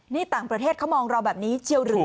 นี่ต่างประเทศเขามองเราแบบนี้เชียวหรือ